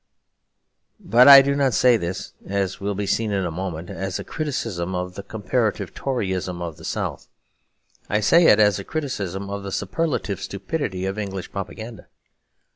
But I do not say this, as will be seen in a moment, as a criticism of the comparative Toryism of the South. I say it as a criticism of the superlative stupidity of English propaganda.